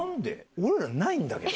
俺らないんだけど。